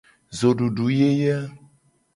Zodudu yeye.